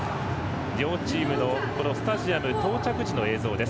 両チームのスタジアム到着時の映像です。